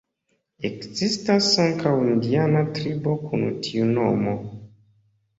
Ekzistas ankaŭ indiana tribo kun tiu nomo.